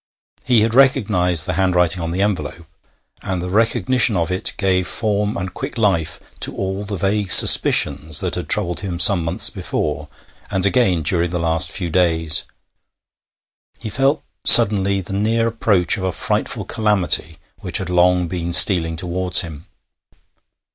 He had recognised the hand writing on the envelope, and the recognition of it gave form and quick life to all the vague suspicions that had troubled him some months before, and again during the last few days. He felt suddenly the near approach of a frightful calamity which had long been stealing towards him.